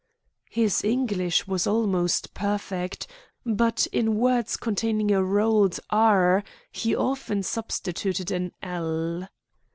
His English was almost perfect, but in words containing a rolled "r" he often substituted an "l."